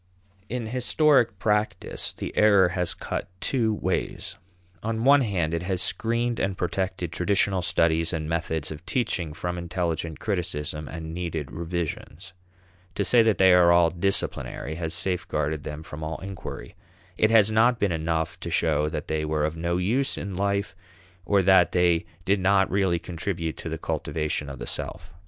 In historic practice the error has cut two ways. On one hand, it has screened and protected traditional studies and methods of teaching from intelligent criticism and needed revisions. To say that they are "disciplinary" has safeguarded them from all inquiry. It has not been enough to show that they were of no use in life or that they did not really contribute to the cultivation of the self.